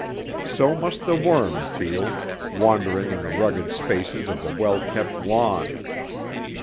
So must the worm feel, wandering in the rugged spaces of a well kept lawn.